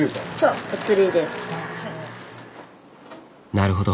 なるほど。